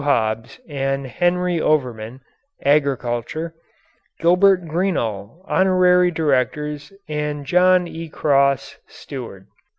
Hobbs and Henry Overman, agriculture; Gilbert Greenall, honorary directors, and John E. Cross, steward.